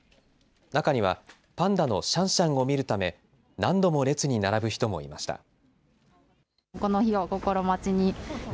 中にはパンダのシャンシャンを見るため何度も列に並ぶ人もいました。